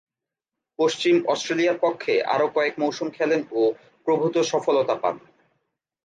পশ্চিম অস্ট্রেলিয়ার পক্ষে আরও কয়েক মৌসুম খেলেন ও প্রভূতঃ সফলতা পান।